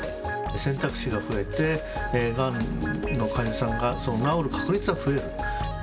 選択肢が増えてがんの患者さんが治る確率は増える。